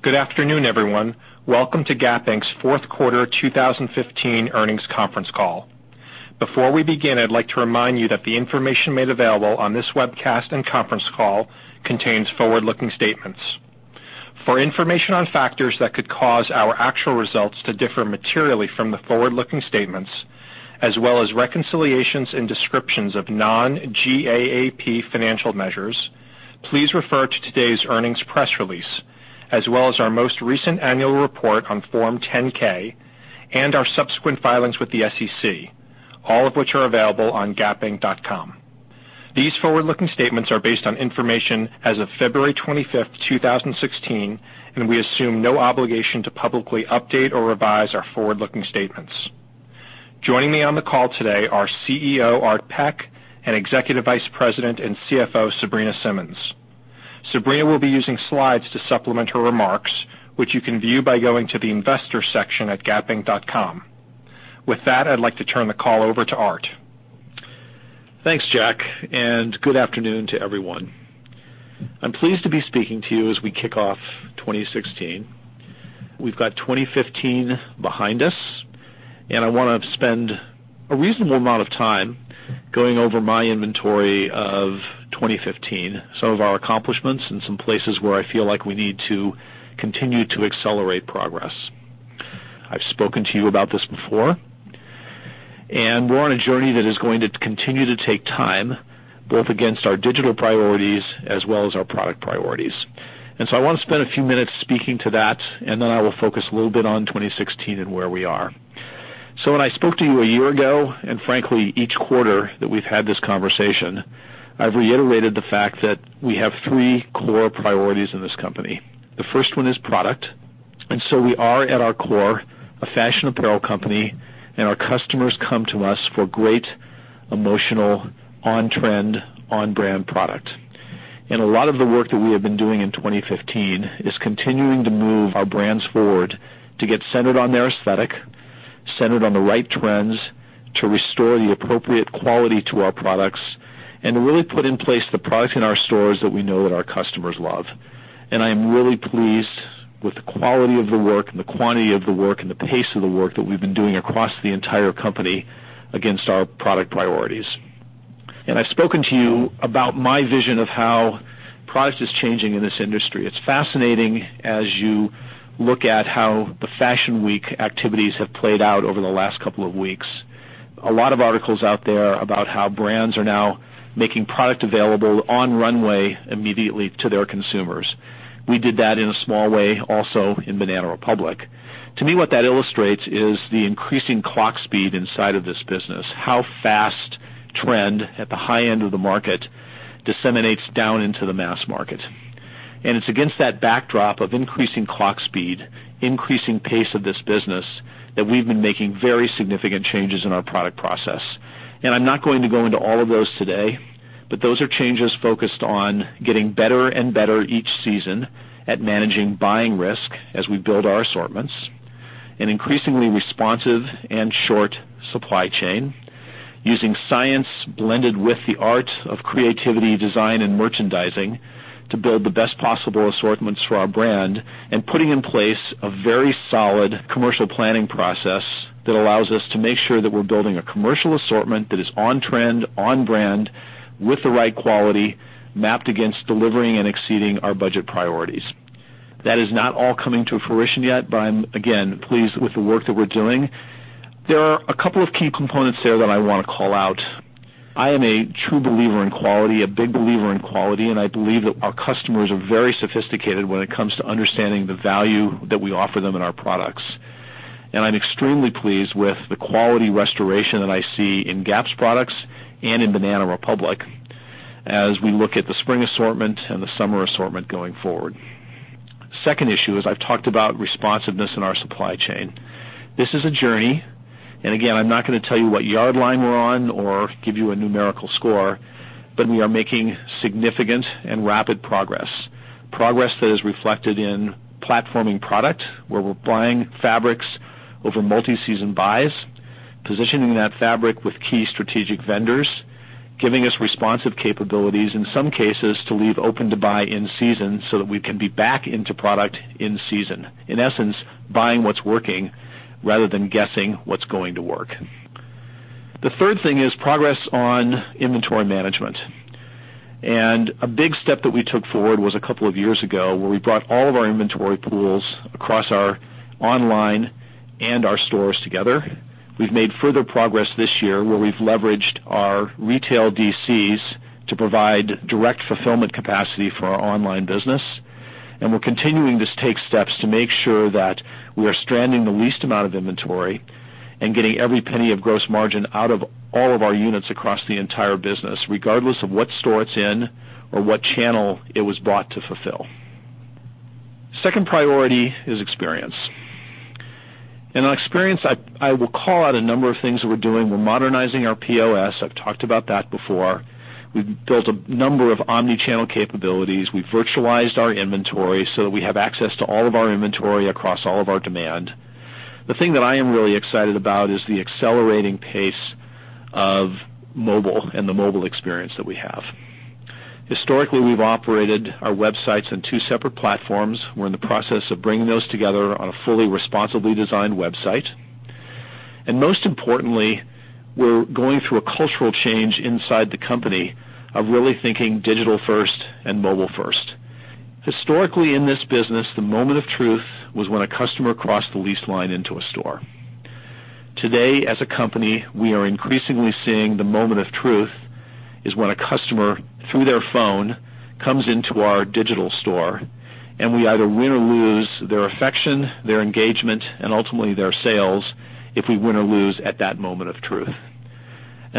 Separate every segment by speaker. Speaker 1: Good afternoon, everyone. Welcome to Gap Inc.'s fourth quarter 2015 earnings conference call. Before we begin, I'd like to remind you that the information made available on this webcast and conference call contains forward-looking statements. For information on factors that could cause our actual results to differ materially from the forward-looking statements, as well as reconciliations and descriptions of non-GAAP financial measures, please refer to today's earnings press release, as well as our most recent annual report on Form 10-K and our subsequent filings with the SEC, all of which are available on gapinc.com. These forward-looking statements are based on information as of February 25, 2016. We assume no obligation to publicly update or revise our forward-looking statements. Joining me on the call today are CEO Art Peck and Executive Vice President and CFO Sabrina Simmons. Sabrina will be using slides to supplement her remarks, which you can view by going to the investor section at gapinc.com. I'd like to turn the call over to Art.
Speaker 2: Thanks, Jack. Good afternoon to everyone. I'm pleased to be speaking to you as we kick off 2016. We've got 2015 behind us. I want to spend a reasonable amount of time going over my inventory of 2015, some of our accomplishments, and some places where I feel like we need to continue to accelerate progress. I've spoken to you about this before. We're on a journey that is going to continue to take time, both against our digital priorities as well as our product priorities. I want to spend a few minutes speaking to that. Then I will focus a little bit on 2016 and where we are. When I spoke to you a year ago, frankly, each quarter that we've had this conversation, I've reiterated the fact that we have three core priorities in this company. The first one is product. We are at our core, a fashion apparel company. Our customers come to us for great emotional, on-trend, on-brand product. A lot of the work that we have been doing in 2015 is continuing to move our brands forward to get centered on their aesthetic, centered on the right trends, to restore the appropriate quality to our products, to really put in place the product in our stores that we know that our customers love. I am really pleased with the quality of the work, the quantity of the work, and the pace of the work that we've been doing across the entire company against our product priorities. I've spoken to you about my vision of how product is changing in this industry. It's fascinating as you look at how the Fashion Week activities have played out over the last couple of weeks. A lot of articles out there about how brands are now making product available on runway immediately to their consumers. We did that in a small way also in Banana Republic. To me, what that illustrates is the increasing clock speed inside of this business, how fast trend at the high end of the market disseminates down into the mass market. It's against that backdrop of increasing clock speed, increasing pace of this business that we've been making very significant changes in our product process. I'm not going to go into all of those today, but those are changes focused on getting better and better each season at managing buying risk as we build our assortments, an increasingly responsive and short supply chain, using science blended with the art of creativity, design, and merchandising to build the best possible assortments for our brand, and putting in place a very solid commercial planning process that allows us to make sure that we're building a commercial assortment that is on trend, on brand with the right quality mapped against delivering and exceeding our budget priorities. That is not all coming to fruition yet, but I'm, again, pleased with the work that we're doing. There are a couple of key components there that I want to call out. I am a true believer in quality, a big believer in quality, and I believe that our customers are very sophisticated when it comes to understanding the value that we offer them in our products. I'm extremely pleased with the quality restoration that I see in Gap's products and in Banana Republic as we look at the spring assortment and the summer assortment going forward. Second issue is I've talked about responsiveness in our supply chain. This is a journey, and again, I'm not going to tell you what yard line we're on or give you a numerical score, but we are making significant and rapid progress. Progress that is reflected in platforming product where we're buying fabrics over multi-season buys, positioning that fabric with key strategic vendors, giving us responsive capabilities, in some cases, to leave open to buy in season so that we can be back into product in season. In essence, buying what's working rather than guessing what's going to work. The third thing is progress on inventory management. A big step that we took forward was a couple of years ago where we brought all of our inventory pools across our online and our stores together. We've made further progress this year where we've leveraged our retail DCs to provide direct fulfillment capacity for our online business, and we're continuing to take steps to make sure that we are stranding the least amount of inventory and getting every penny of gross margin out of all of our units across the entire business, regardless of what store it's in or what channel it was bought to fulfill. Second priority is experience. On experience, I will call out a number of things that we're doing. We're modernizing our POS. I've talked about that before. We've built a number of omnichannel capabilities. We virtualized our inventory so that we have access to all of our inventory across all of our demand. The thing that I am really excited about is the accelerating pace of mobile and the mobile experience that we have. Historically, we've operated our websites on two separate platforms. We're in the process of bringing those together on a fully responsively designed website. Most importantly, we're going through a cultural change inside the company of really thinking digital first and mobile first. Historically, in this business, the moment of truth was when a customer crossed the lease line into a store. Today, as a company, we are increasingly seeing the moment of truth is when a customer, through their phone, comes into our digital store, and we either win or lose their affection, their engagement, and ultimately their sales if we win or lose at that moment of truth.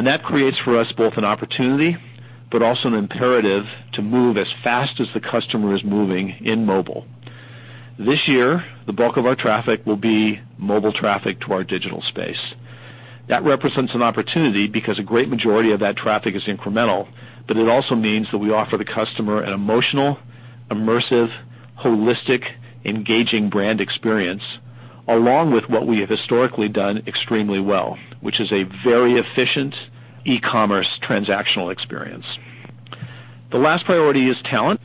Speaker 2: That creates for us both an opportunity but also an imperative to move as fast as the customer is moving in mobile. This year, the bulk of our traffic will be mobile traffic to our digital space. That represents an opportunity because a great majority of that traffic is incremental, but it also means that we offer the customer an emotional, immersive, holistic, engaging brand experience along with what we have historically done extremely well, which is a very efficient e-commerce transactional experience. The last priority is talent.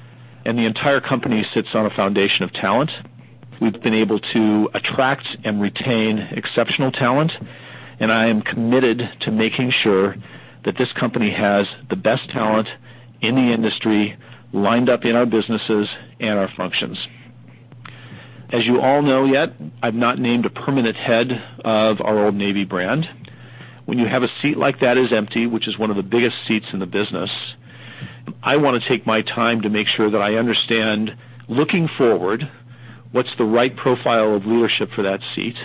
Speaker 2: The entire company sits on a foundation of talent. We've been able to attract and retain exceptional talent, and I am committed to making sure that this company has the best talent in the industry lined up in our businesses and our functions. As you all know, yet, I've not named a permanent head of our Old Navy brand. When you have a seat like that is empty, which is one of the biggest seats in the business, I want to take my time to make sure that I understand, looking forward, what's the right profile of leadership for that seat,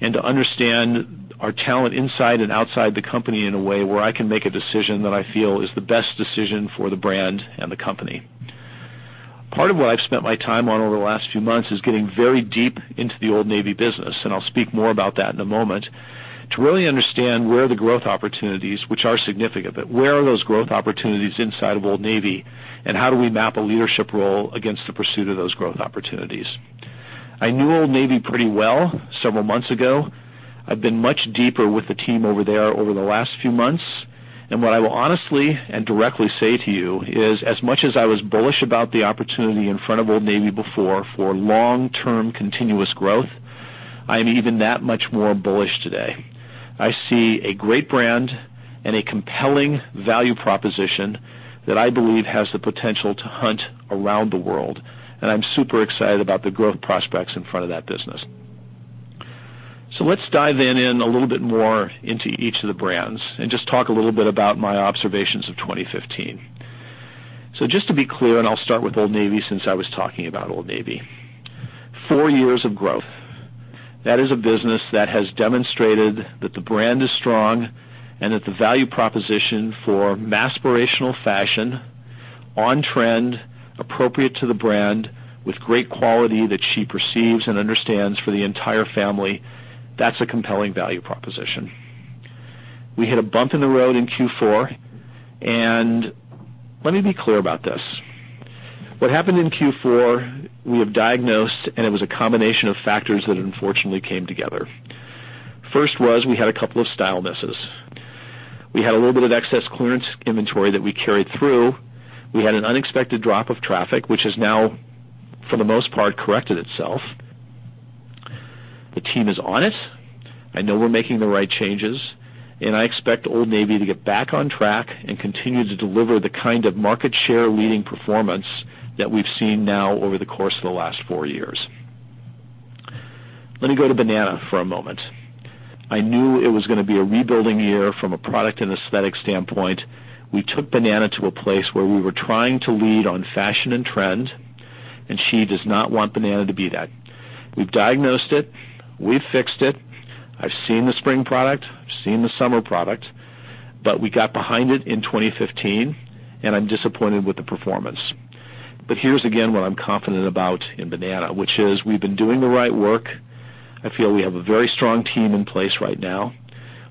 Speaker 2: and to understand our talent inside and outside the company in a way where I can make a decision that I feel is the best decision for the brand and the company. Part of what I've spent my time on over the last few months is getting very deep into the Old Navy business, and I'll speak more about that in a moment, to really understand where the growth opportunities, which are significant, but where are those growth opportunities inside of Old Navy, and how do we map a leadership role against the pursuit of those growth opportunities. I knew Old Navy pretty well several months ago. I've been much deeper with the team over there over the last few months. What I will honestly and directly say to you is as much as I was bullish about the opportunity in front of Old Navy before for long-term continuous growth, I am even that much more bullish today. I see a great brand and a compelling value proposition that I believe has the potential to hunt around the world. I'm super excited about the growth prospects in front of that business. Let's dive in a little bit more into each of the brands and just talk a little bit about my observations of 2015. Just to be clear, I'll start with Old Navy since I was talking about Old Navy. Four years of growth. That is a business that has demonstrated that the brand is strong and that the value proposition for mass aspirational fashion, on-trend, appropriate to the brand with great quality that she perceives and understands for the entire family, that's a compelling value proposition. We hit a bump in the road in Q4. Let me be clear about this. What happened in Q4, we have diagnosed. It was a combination of factors that unfortunately came together. First was we had a couple of style misses. We had a little bit of excess clearance inventory that we carried through. We had an unexpected drop of traffic, which has now, for the most part, corrected itself. The team is on it. I know we're making the right changes. I expect Old Navy to get back on track and continue to deliver the kind of market share leading performance that we've seen now over the course of the last four years. Let me go to Banana for a moment. I knew it was going to be a rebuilding year from a product and aesthetic standpoint. We took Banana to a place where we were trying to lead on fashion and trend. She does not want Banana to be that. We've diagnosed it. We've fixed it. I've seen the spring product, I've seen the summer product. We got behind it in 2015. I'm disappointed with the performance. Here's again what I'm confident about in Banana, which is we've been doing the right work. I feel we have a very strong team in place right now.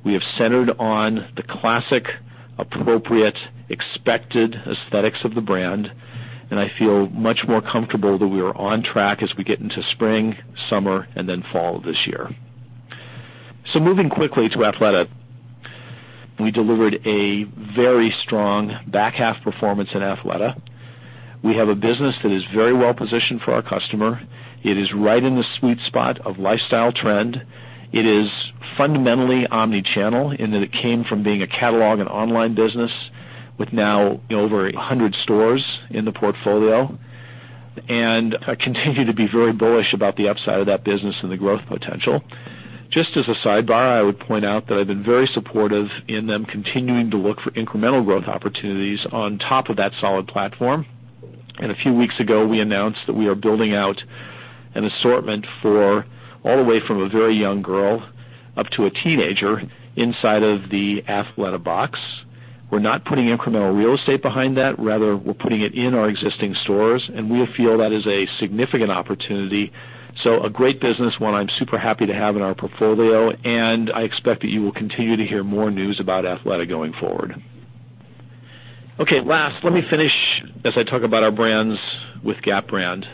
Speaker 2: We have centered on the classic, appropriate, expected aesthetics of the brand. I feel much more comfortable that we are on track as we get into spring, summer, and then fall this year. Moving quickly to Athleta. We delivered a very strong back half performance in Athleta. We have a business that is very well-positioned for our customer. It is right in the sweet spot of lifestyle trend. It is fundamentally omnichannel in that it came from being a catalog and online business with now over 100 stores in the portfolio. I continue to be very bullish about the upside of that business and the growth potential. Just as a sidebar, I would point out that I've been very supportive in them continuing to look for incremental growth opportunities on top of that solid platform. A few weeks ago, we announced that we are building out an assortment for all the way from a very young girl up to a teenager inside of the Athleta box. We're not putting incremental real estate behind that. Rather, we're putting it in our existing stores, and we feel that is a significant opportunity. A great business, one I'm super happy to have in our portfolio, and I expect that you will continue to hear more news about Athleta going forward. Okay, last, let me finish as I talk about our brands with Gap brand.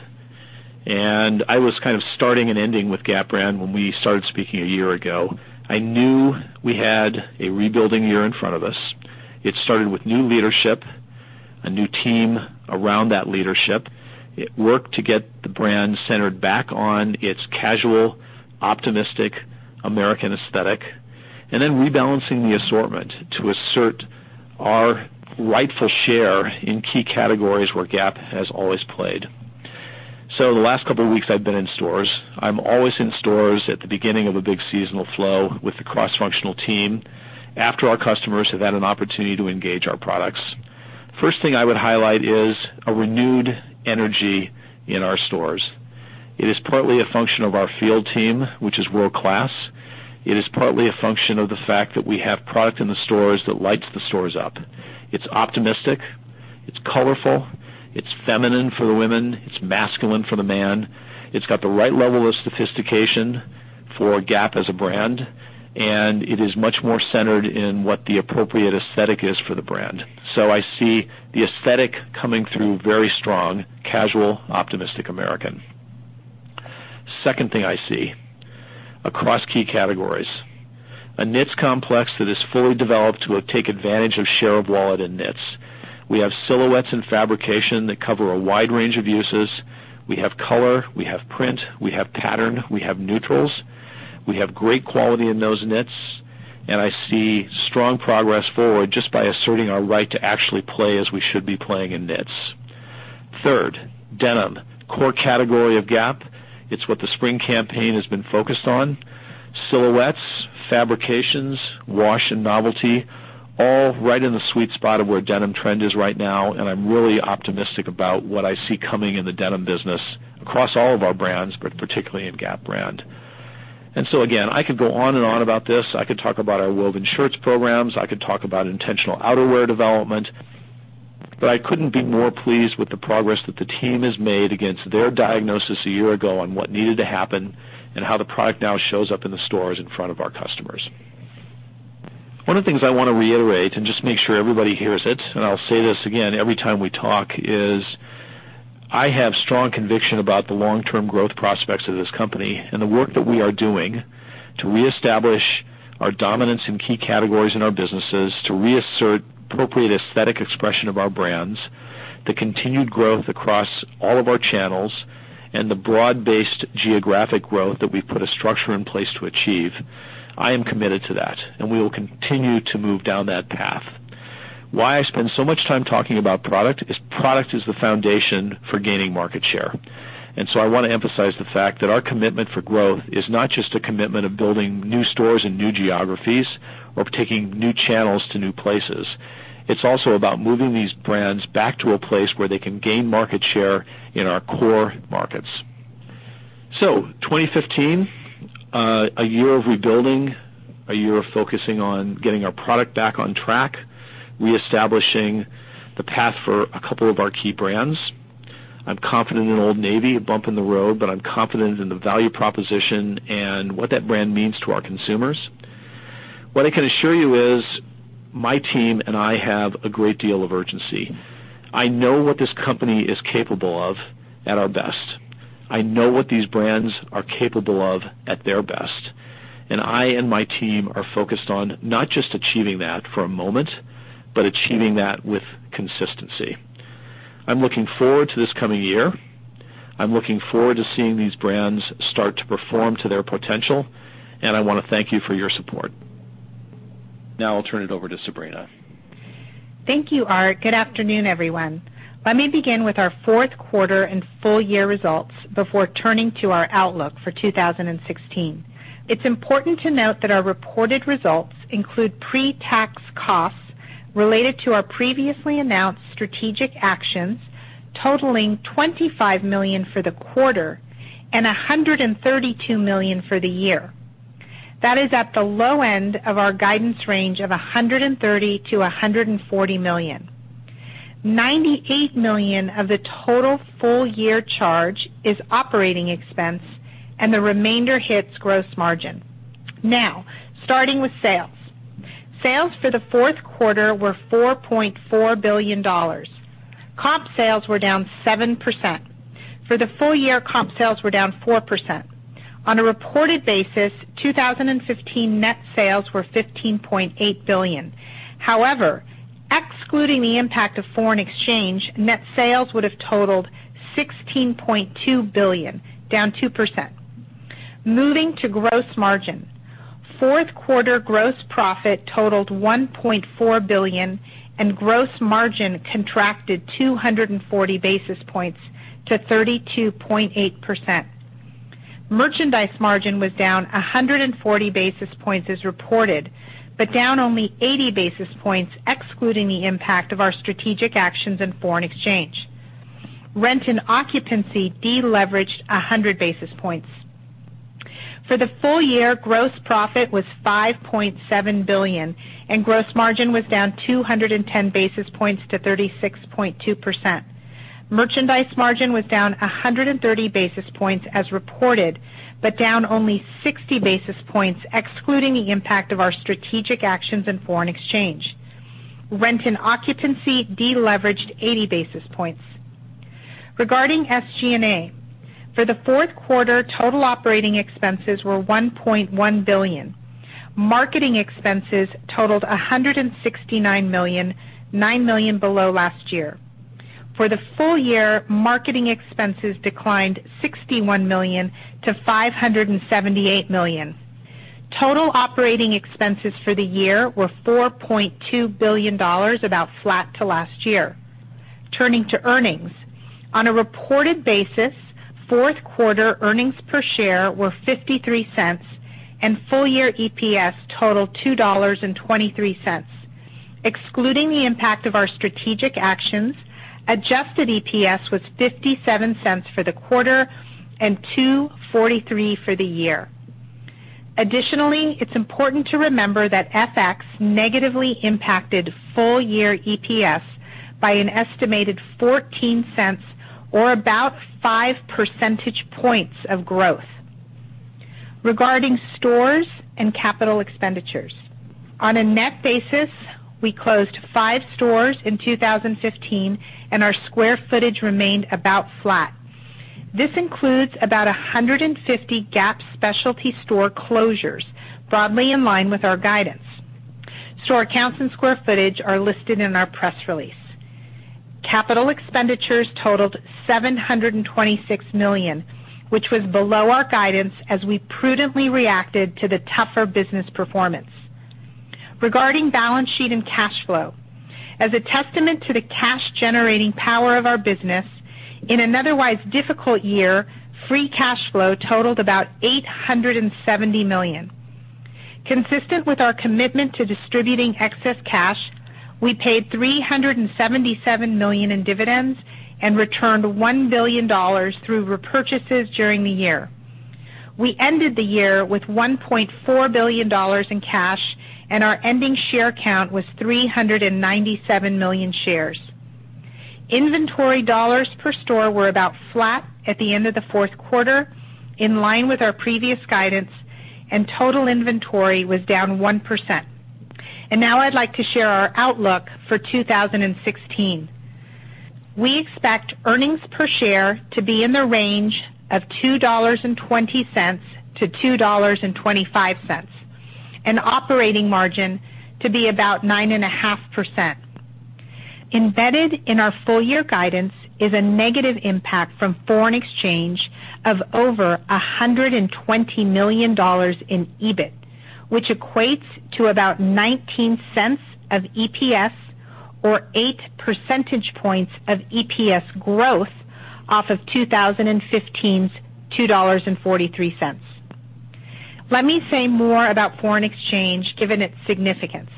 Speaker 2: I was kind of starting and ending with Gap brand when we started speaking a year ago. I knew we had a rebuilding year in front of us. It started with new leadership, a new team around that leadership. It worked to get the brand centered back on its casual, optimistic American aesthetic, and then rebalancing the assortment to assert our rightful share in key categories where Gap has always played. The last couple of weeks I've been in stores. I'm always in stores at the beginning of a big seasonal flow with the cross-functional team after our customers have had an opportunity to engage our products. First thing I would highlight is a renewed energy in our stores. It is partly a function of our field team, which is world-class. It is partly a function of the fact that we have product in the stores that lights the stores up. It's optimistic, it's colorful, it's feminine for the women, it's masculine for the man. It's got the right level of sophistication for Gap as a brand, and it is much more centered in what the appropriate aesthetic is for the brand. I see the aesthetic coming through very strong, casual, optimistic American. Second thing I see across key categories, a knits complex that is fully developed to take advantage of share of wallet in knits. We have silhouettes and fabrication that cover a wide range of uses. We have color, we have print, we have pattern, we have neutrals. We have great quality in those knits, and I see strong progress forward just by asserting our right to actually play as we should be playing in knits. Third, denim. Core category of Gap. It's what the spring campaign has been focused on. Silhouettes, fabrications, wash, and novelty, all right in the sweet spot of where denim trend is right now, and I'm really optimistic about what I see coming in the denim business across all of our brands, but particularly in Gap brand. Again, I could go on and on about this. I could talk about our woven shirts programs. I could talk about intentional outerwear development. I couldn't be more pleased with the progress that the team has made against their diagnosis a year ago on what needed to happen and how the product now shows up in the stores in front of our customers. One of the things I want to reiterate and just make sure everybody hears it, and I'll say this again every time we talk, is I have strong conviction about the long-term growth prospects of this company and the work that we are doing to reestablish our dominance in key categories in our businesses to reassert appropriate aesthetic expression of our brands, the continued growth across all of our channels, and the broad-based geographic growth that we've put a structure in place to achieve. I am committed to that, and we will continue to move down that path. Why I spend so much time talking about product is product is the foundation for gaining market share. I want to emphasize the fact that our commitment for growth is not just a commitment of building new stores in new geographies or taking new channels to new places. It's also about moving these brands back to a place where they can gain market share in our core markets. 2015, a year of rebuilding, a year of focusing on getting our product back on track, reestablishing the path for a couple of our key brands. I'm confident in Old Navy, a bump in the road, but I'm confident in the value proposition and what that brand means to our consumers. What I can assure you is my team and I have a great deal of urgency. I know what this company is capable of at our best. I know what these brands are capable of at their best, and I and my team are focused on not just achieving that for a moment, but achieving that with consistency. I'm looking forward to this coming year. I'm looking forward to seeing these brands start to perform to their potential, and I want to thank you for your support. Now I'll turn it over to Sabrina.
Speaker 3: Thank you, Art. Good afternoon, everyone. Let me begin with our fourth quarter and full year results before turning to our outlook for 2016. It's important to note that our reported results include pre-tax costs related to our previously announced strategic actions totaling $25 million for the quarter and $132 million for the year. That is at the low end of our guidance range of $130 million-$140 million. $98 million of the total full year charge is operating expense, and the remainder hits gross margin. Now, starting with sales. Sales for the fourth quarter were $4.4 billion. Comp sales were down 7%. For the full year, comp sales were down 4%. On a reported basis, 2015 net sales were $15.8 billion. However, excluding the impact of foreign exchange, net sales would have totaled $16.2 billion, down 2%. Moving to gross margin. Fourth quarter gross profit totaled $1.4 billion and gross margin contracted 240 basis points to 32.8%. Merchandise margin was down 140 basis points as reported, but down only 80 basis points excluding the impact of our strategic actions in foreign exchange. Rent and occupancy deleveraged 100 basis points. For the full year, gross profit was $5.7 billion and gross margin was down 210 basis points to 36.2%. Merchandise margin was down 130 basis points as reported, but down only 60 basis points, excluding the impact of our strategic actions in foreign exchange. Rent and occupancy deleveraged 80 basis points. Regarding SG&A, for the fourth quarter, total operating expenses were $1.1 billion. Marketing expenses totaled $169 million, $9 million below last year. For the full year, marketing expenses declined $61 million to $578 million. Total operating expenses for the year were $4.2 billion, about flat to last year. Turning to earnings. On a reported basis, fourth quarter EPS were $0.53, and full year EPS totaled $2.23. Excluding the impact of our strategic actions, adjusted EPS was $0.57 for the quarter and $2.43 for the year. Additionally, it's important to remember that FX negatively impacted full year EPS by an estimated $0.14 or about five percentage points of growth. Regarding stores and CapEx. On a net basis, we closed five stores in 2015, and our square footage remained about flat. This includes about 150 Gap specialty store closures, broadly in line with our guidance. Store counts and square footage are listed in our press release. CapEx totaled $726 million, which was below our guidance as we prudently reacted to the tougher business performance. Regarding balance sheet and cash flow. As a testament to the cash-generating power of our business, in an otherwise difficult year, free cash flow totaled about $870 million. Consistent with our commitment to distributing excess cash, we paid $377 million in dividends and returned $1 billion through repurchases during the year. We ended the year with $1.4 billion in cash, and our ending share count was 397 million shares. Inventory dollars per store were about flat at the end of the fourth quarter, in line with our previous guidance, and total inventory was down 1%. Now I'd like to share our outlook for 2016. We expect EPS to be in the range of $2.20-$2.25, an operating margin to be about 9.5%. Embedded in our full year guidance is a negative impact from foreign exchange of over $120 million in EBIT, which equates to about $0.19 of EPS or eight percentage points of EPS growth off of 2015's $2.43. Let me say more about foreign exchange, given its significance.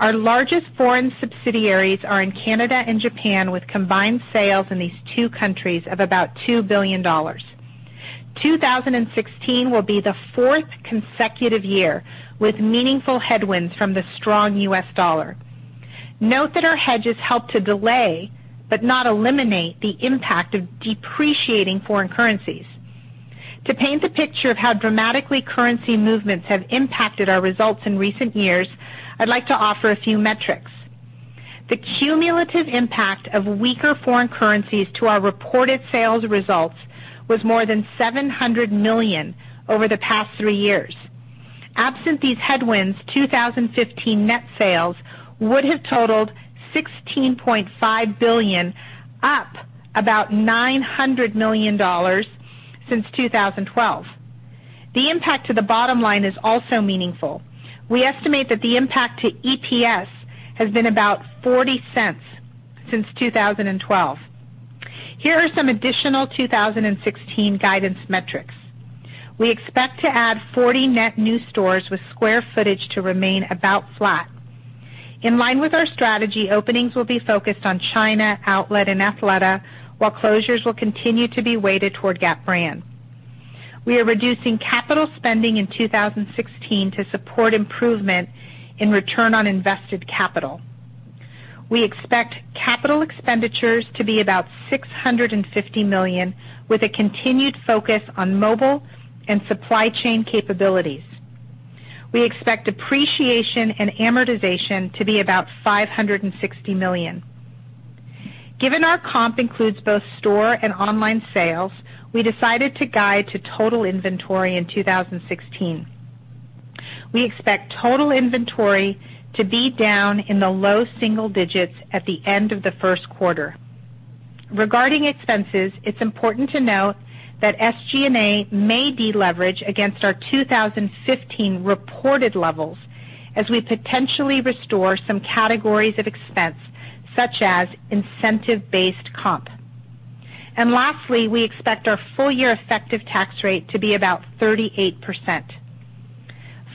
Speaker 3: Our largest foreign subsidiaries are in Canada and Japan, with combined sales in these two countries of about $2 billion. 2016 will be the fourth consecutive year with meaningful headwinds from the strong U.S. dollar. Note that our hedges help to delay, but not eliminate, the impact of depreciating foreign currencies. To paint the picture of how dramatically currency movements have impacted our results in recent years, I'd like to offer a few metrics. The cumulative impact of weaker foreign currencies to our reported sales results was more than $700 million over the past three years. Absent these headwinds, 2015 net sales would have totaled $16.5 billion, up about $900 million since 2012. The impact to the bottom line is also meaningful. We estimate that the impact to EPS has been about $0.40 since 2012. Here are some additional 2016 guidance metrics. We expect to add 40 net new stores with square footage to remain about flat. In line with our strategy, openings will be focused on China, outlet, and Athleta, while closures will continue to be weighted toward Gap brand. We are reducing capital spending in 2016 to support improvement in return on invested capital. We expect capital expenditures to be about $650 million, with a continued focus on mobile and supply chain capabilities. We expect depreciation and amortization to be about $560 million. Given our comp includes both store and online sales, we decided to guide to total inventory in 2016. We expect total inventory to be down in the low single digits at the end of the first quarter. Regarding expenses, it's important to note that SG&A may deleverage against our 2015 reported levels as we potentially restore some categories of expense, such as incentive-based comp. Lastly, we expect our full year effective tax rate to be about 38%.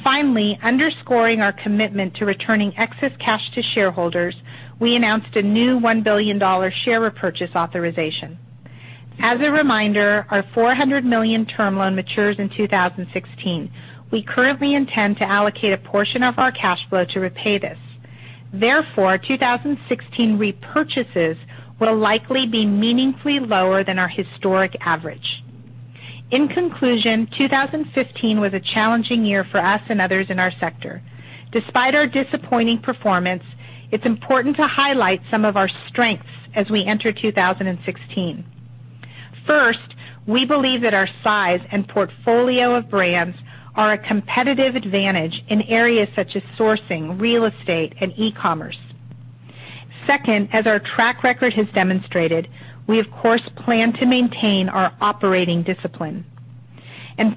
Speaker 3: Finally, underscoring our commitment to returning excess cash to shareholders, we announced a new $1 billion share repurchase authorization. As a reminder, our $400 million term loan matures in 2016. We currently intend to allocate a portion of our cash flow to repay this. Therefore, 2016 repurchases will likely be meaningfully lower than our historic average. In conclusion, 2015 was a challenging year for us and others in our sector. Despite our disappointing performance, it's important to highlight some of our strengths as we enter 2016. First, we believe that our size and portfolio of brands are a competitive advantage in areas such as sourcing, real estate, and e-commerce. Second, as our track record has demonstrated, we of course plan to maintain our operating discipline.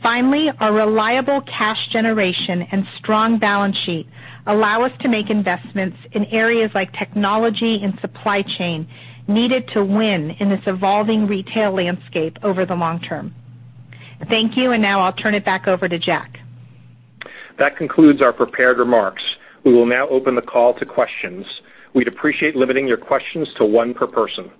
Speaker 3: Finally, our reliable cash generation and strong balance sheet allow us to make investments in areas like technology and supply chain needed to win in this evolving retail landscape over the long term. Thank you. Now I'll turn it back over to Jack.
Speaker 1: That concludes our prepared remarks. We will now open the call to questions. We'd appreciate limiting your questions to one per person.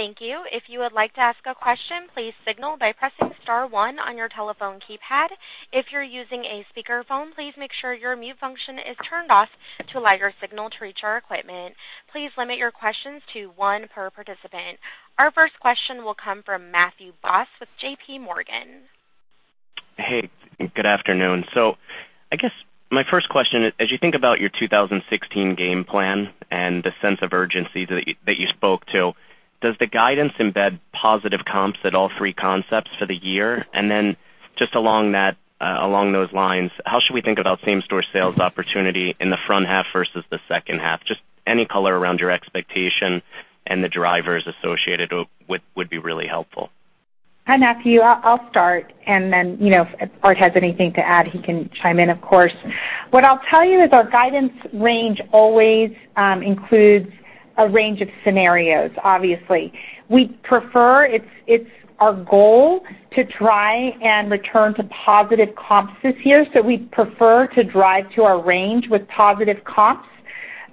Speaker 4: Thank you. If you would like to ask a question, please signal by pressing star one on your telephone keypad. If you're using a speakerphone, please make sure your mute function is turned off to allow your signal to reach our equipment. Please limit your questions to one per participant. Our first question will come from Matthew Boss with JPMorgan.
Speaker 5: Hey, good afternoon. I guess my first question is, as you think about your 2016 game plan and the sense of urgency that you spoke to, does the guidance embed positive comps at all three concepts for the year? And then just along those lines, how should we think about same-store sales opportunity in the front half versus the second half? Just any color around your expectation and the drivers associated would be really helpful.
Speaker 3: Hi, Matthew. I'll start, and then, if Art has anything to add, he can chime in, of course. What I'll tell you is our guidance range always includes a range of scenarios, obviously. We prefer, it's our goal to try and return to positive comps this year. We prefer to drive to our range with positive comps.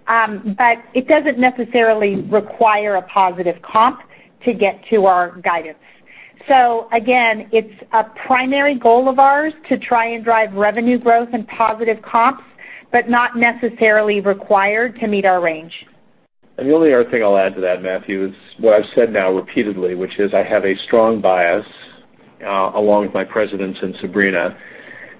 Speaker 3: It doesn't necessarily require a positive comp to get to our guidance. Again, it's a primary goal of ours to try and drive revenue growth and positive comps, but not necessarily required to meet our range.
Speaker 2: The only other thing I'll add to that, Matthew, is what I've said now repeatedly, which is I have a strong bias, along with my presidents and Sabrina,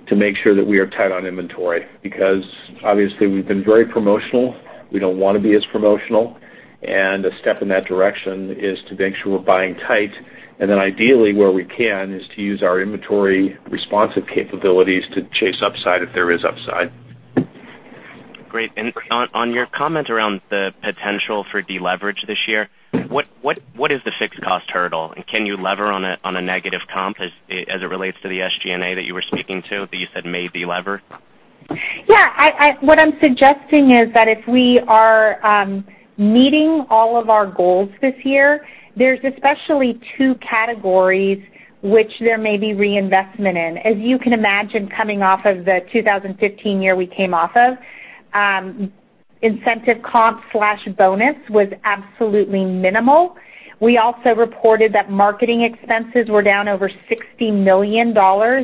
Speaker 2: to make sure that we are tight on inventory. Because obviously we've been very promotional. We don't want to be as promotional. A step in that direction is to make sure we're buying tight, and then ideally, where we can, is to use our inventory responsive capabilities to chase upside if there is upside.
Speaker 5: Great. On your comment around the potential for deleverage this year, what is the fixed cost hurdle? Can you lever on a negative comp as it relates to the SG&A that you were speaking to, that you said may be levered?
Speaker 3: Yeah. What I'm suggesting is that if we are meeting all of our goals this year, there's especially two categories which there may be reinvestment in. As you can imagine, coming off of the 2015 year we came off of, incentive comp/bonus was absolutely minimal. We also reported that marketing expenses were down over $60 million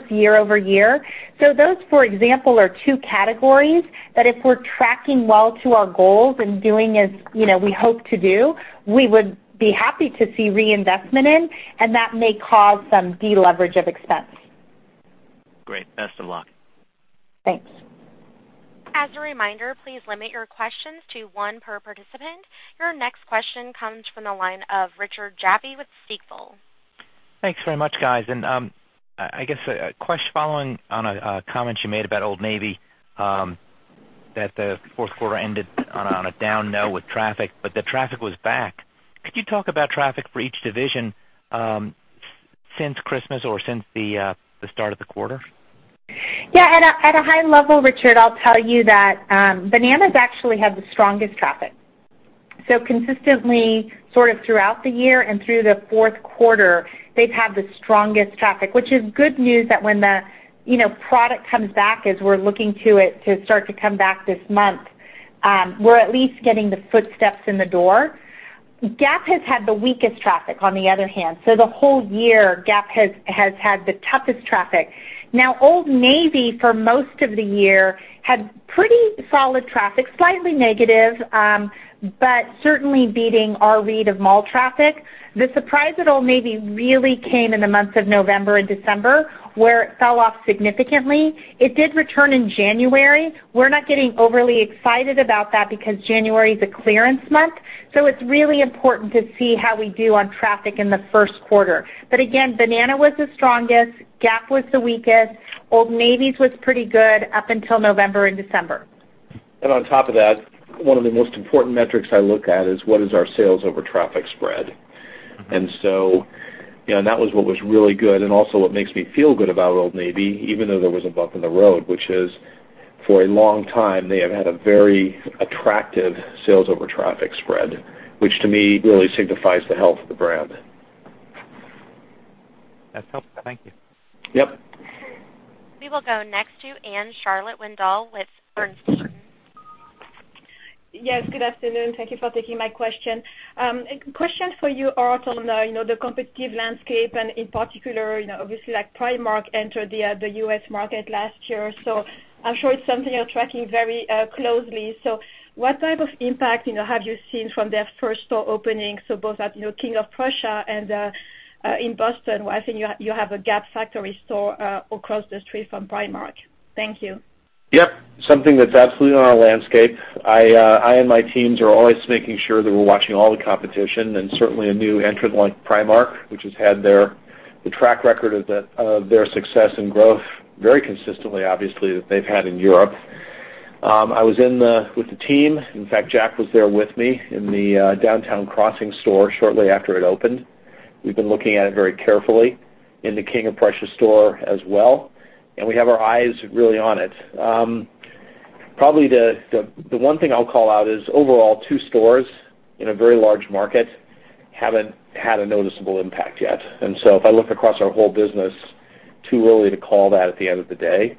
Speaker 3: year-over-year. Those, for example, are two categories that if we're tracking well to our goals and doing as we hope to do, we would be happy to see reinvestment in, and that may cause some deleverage of expense.
Speaker 5: Great. Best of luck.
Speaker 3: Thanks.
Speaker 4: As a reminder, please limit your questions to one per participant. Your next question comes from the line of Richard Jaffe with Stifel.
Speaker 6: Thanks very much, guys. I guess a question following on a comment you made about Old Navy, that the fourth quarter ended on a down note with traffic, but the traffic was back. Could you talk about traffic for each division since Christmas or since the start of the quarter?
Speaker 3: Yeah. At a high level, Richard, I'll tell you that Banana's actually had the strongest traffic. Consistently, sort of throughout the year and through the fourth quarter, they've had the strongest traffic, which is good news that when the product comes back as we're looking to it to start to come back this month, we're at least getting the footsteps in the door. Gap has had the weakest traffic, on the other hand. The whole year, Gap has had the toughest traffic. Now, Old Navy, for most of the year, had pretty solid traffic, slightly negative, but certainly beating our read of mall traffic. The surprise at Old Navy really came in the months of November and December, where it fell off significantly. It did return in January. We're not getting overly excited about that because January is a clearance month. It's really important to see how we do on traffic in the first quarter. Again, Banana was the strongest, Gap was the weakest. Old Navy's was pretty good up until November and December.
Speaker 1: On top of that, one of the most important metrics I look at is what is our sales over traffic spread. That was what was really good and also what makes me feel good about Old Navy, even though there was a bump in the road, which is for a long time, they have had a very attractive sales over traffic spread, which to me really signifies the health of the brand.
Speaker 6: That's helpful. Thank you.
Speaker 2: Yep.
Speaker 4: We will go next to Anne-Charlotte Windal with Bernstein.
Speaker 7: Yes, good afternoon. Thank you for taking my question. Question for you, Art, on the competitive landscape and in particular, obviously, Primark entered the U.S. market last year. I'm sure it's something you're tracking very closely. What type of impact have you seen from their first store opening, both at King of Prussia and in Boston, where I think you have a Gap Factory store across the street from Primark. Thank you.
Speaker 2: Yep. Something that's absolutely on our landscape. I and my teams are always making sure that we're watching all the competition and certainly a new entrant like Primark, which has had the track record of their success and growth very consistently, obviously, that they've had in Europe. I was in with the team. In fact, Jack was there with me in the Downtown Crossing store shortly after it opened. We've been looking at it very carefully in the King of Prussia store as well, and we have our eyes really on it. Probably the one thing I'll call out is overall, two stores in a very large market haven't had a noticeable impact yet. If I look across our whole business, too early to call that at the end of the day.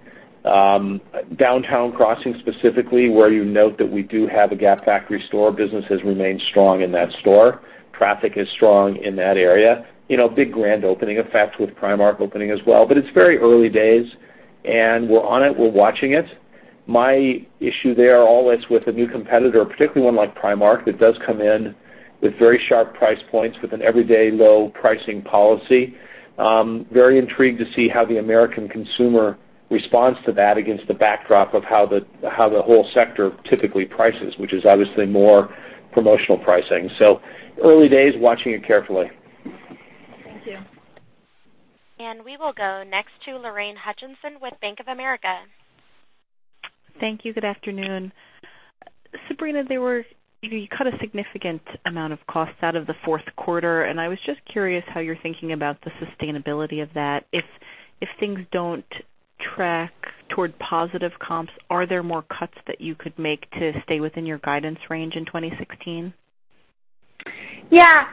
Speaker 2: Downtown Crossing, specifically, where you note that we do have a Gap Factory store, business has remained strong in that store. Traffic is strong in that area. Big grand opening effect with Primark opening as well. It's very early days, and we're on it. We're watching it. My issue there, always with a new competitor, particularly one like Primark, that does come in with very sharp price points with an everyday low pricing policy. I'm very intrigued to see how the American consumer responds to that against the backdrop of how the whole sector typically prices, which is obviously more promotional pricing. Early days, watching it carefully.
Speaker 7: Thank you.
Speaker 4: We will go next to Lorraine Hutchinson with Bank of America.
Speaker 8: Thank you. Good afternoon. Sabrina, you cut a significant amount of cost out of the fourth quarter, I was just curious how you're thinking about the sustainability of that. If things don't track toward positive comps, are there more cuts that you could make to stay within your guidance range in 2016?
Speaker 3: Yeah.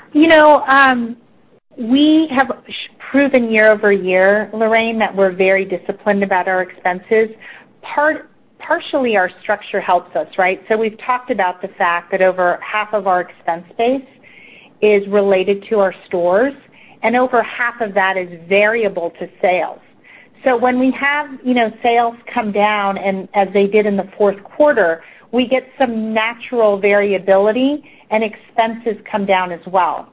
Speaker 3: We have proven year-over-year, Lorraine, that we're very disciplined about our expenses. Partially, our structure helps us, right? We've talked about the fact that over half of our expense base is related to our stores, and over half of that is variable to sales. When we have sales come down as they did in the fourth quarter, we get some natural variability, and expenses come down as well.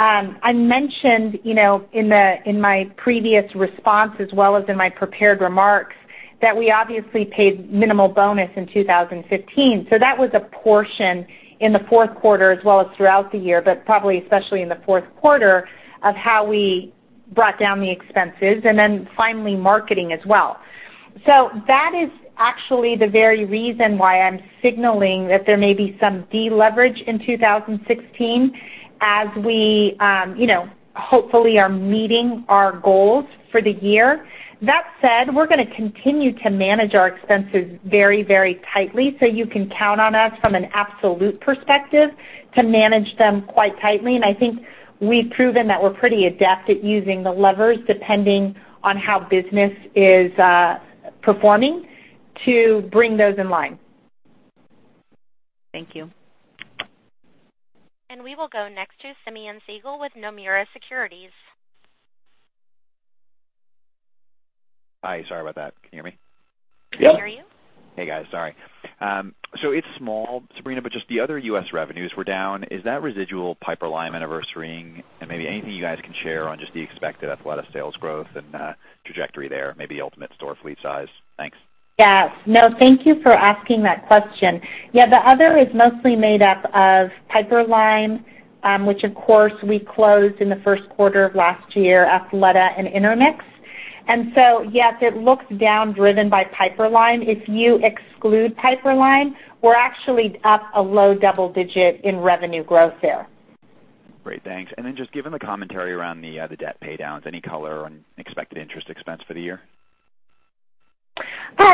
Speaker 3: I mentioned in my previous response as well as in my prepared remarks that we obviously paid minimal bonus in 2015. That was a portion in the fourth quarter as well as throughout the year, but probably especially in the fourth quarter of how we brought down the expenses. Finally, marketing as well. That is actually the very reason why I'm signaling that there may be some deleverage in 2016 as we hopefully are meeting our goals for the year. That said, we're going to continue to manage our expenses very tightly, so you can count on us from an absolute perspective to manage them quite tightly. I think we've proven that we're pretty adept at using the levers depending on how business is performing to bring those in line.
Speaker 8: Thank you.
Speaker 4: We will go next to Simeon Siegel with Nomura Securities.
Speaker 9: Hi, sorry about that. Can you hear me?
Speaker 2: Yep.
Speaker 4: We can hear you.
Speaker 9: Hey, guys. Sorry. It's small, Sabrina, but just the other U.S. revenues were down. Is that residual Piperlime anniversarying? And maybe anything you guys can share on just the expected Athleta sales growth and trajectory there, maybe ultimate store fleet size. Thanks.
Speaker 3: Yes. No, thank you for asking that question. Yeah, the other is mostly made up of Piperlime, which of course we closed in the first quarter of last year, Athleta and Intermix. Yes, it looks down driven by Piperlime. If you exclude Piperlime, we're actually up a low double digit in revenue growth there.
Speaker 9: Great, thanks. Then just given the commentary around the other debt paydowns, any color on expected interest expense for the year?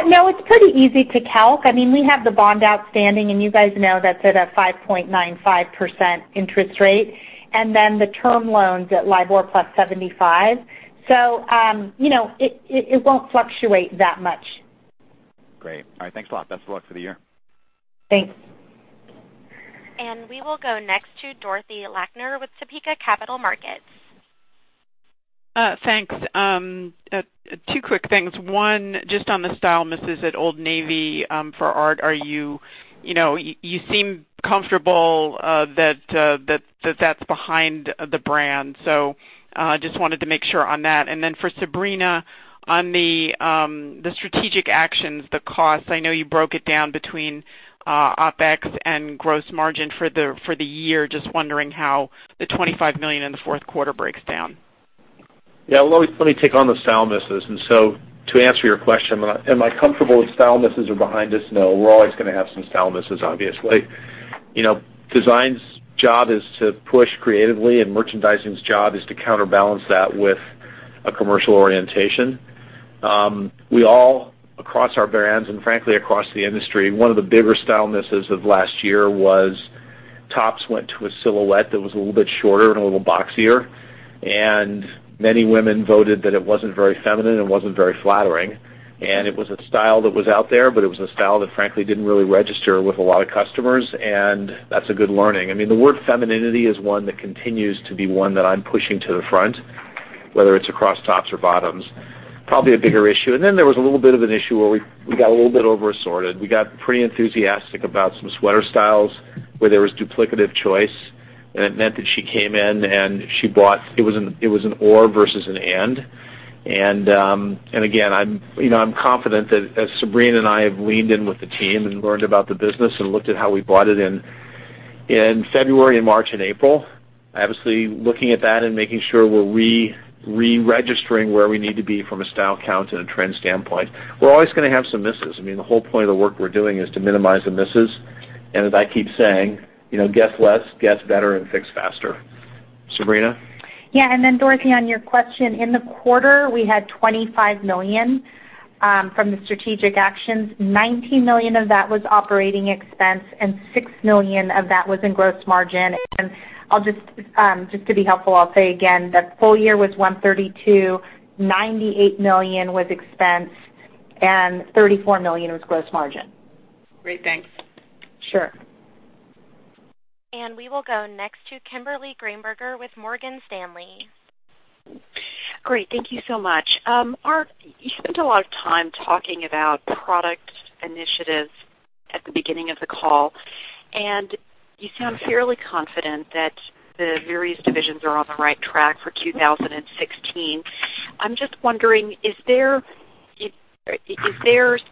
Speaker 3: No, it's pretty easy to calc. We have the bond outstanding, and you guys know that's at a 5.95% interest rate. Then the term loans at LIBOR plus 75. It won't fluctuate that much.
Speaker 9: Great. All right. Thanks a lot. Best of luck for the year.
Speaker 3: Thanks.
Speaker 4: We will go next to Dorothy Lakner with Topeka Capital Markets.
Speaker 10: Thanks. Two quick things. One, just on the style misses at Old Navy for Art. You seem comfortable that that's behind the brand. Just wanted to make sure on that. For Sabrina, on the strategic actions, the costs, I know you broke it down between OpEx and gross margin for the year. Just wondering how the $25 million in the fourth quarter breaks down.
Speaker 2: Yeah. Let me take on the style misses. To answer your question, am I comfortable that style misses are behind us? No. We're always going to have some style misses, obviously. Design's job is to push creatively, and merchandising's job is to counterbalance that with a commercial orientation. We all, across our brands and frankly across the industry, one of the bigger style misses of last year was tops went to a silhouette that was a little bit shorter and a little boxier, and many women voted that it wasn't very feminine and wasn't very flattering. It was a style that was out there, but it was a style that frankly didn't really register with a lot of customers, and that's a good learning. The word femininity is one that continues to be one that I'm pushing to the front, whether it's across tops or bottoms. Probably a bigger issue. There was a little bit of an issue where we got a little bit over assorted. We got pretty enthusiastic about some sweater styles where there was duplicative choice, and it meant that she came in and it was an or versus an and. Again, I'm confident that as Sabrina and I have leaned in with the team and learned about the business and looked at how we bought it in February and March and April, obviously looking at that and making sure we're re-registering where we need to be from a style count and a trend standpoint. We're always going to have some misses. The whole point of the work we're doing is to minimize the misses, and as I keep saying, "Guess less, guess better, and fix faster." Sabrina?
Speaker 3: Yeah. Dorothy, on your question, in the quarter, we had $25 million from the strategic actions. $19 million of that was operating expense, and $6 million of that was in gross margin. Just to be helpful, I'll say again that full year was $132 million. $98 million was expense and $34 million was gross margin.
Speaker 10: Great. Thanks.
Speaker 3: Sure.
Speaker 4: We will go next to Kimberly Greenberger with Morgan Stanley.
Speaker 11: Great. Thank you so much. Art, you spent a lot of time talking about product initiatives at the beginning of the call, and you sound fairly confident that the various divisions are on the right track for 2016. I'm just wondering, is there